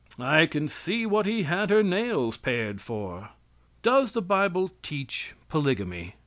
I can see what he had her nails pared for. Does the bible teach polygamy?